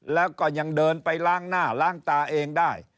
แล้วก็ยังเดินไปล้างหน้าล้างตาเองได้